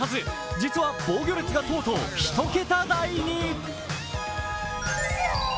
実は防御率がとうとう１桁台に。